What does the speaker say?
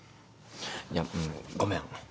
いやんごめん。